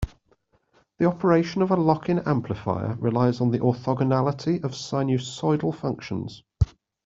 The operation of a lock-in amplifier relies on the orthogonality of sinusoidal functions.